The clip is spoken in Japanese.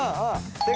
正解！